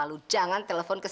nggak usah mengindladinya